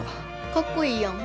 かっこいいやん。